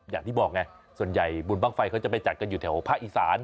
อย่างที่บอกไงส่วนใหญ่บุญบ้างไฟเขาจะไปจัดกันอยู่แถวภาคอีสาน